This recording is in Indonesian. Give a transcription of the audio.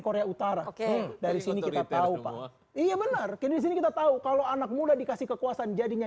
korea utara oke dari sini kita tahu pak iya benar kini sini kita tahu kalau anak muda dikasih kekuasaan jadinya